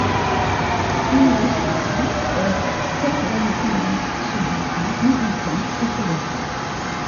Une de ses filles est Severn Cullis-Suzuki, militante écologiste.